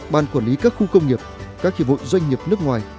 ban quản lý các khu công nghiệp các hiệp hội doanh nghiệp nước ngoài